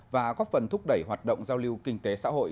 đã có phần thúc đẩy hoạt động giao lưu kinh tế xã hội